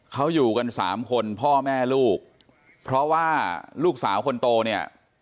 เขาอยู่กันสามคนพ่อแม่ลูกเพราะว่าลูกสาวคนโตเนี่ย